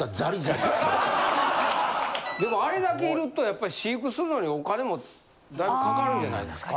でもあれだけいるとやっぱり飼育するのにお金もだいぶかかるんじゃないですか？